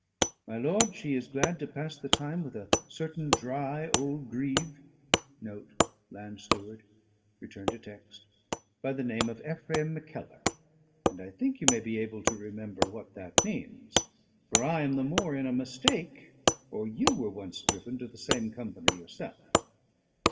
My lord, she is glad to pass them with a certain dry old grieve of the name of Ephraim Mackellar; and I think you may be able to remember what that means, for I am the more in a mistake or you were once driven to the same company yourself."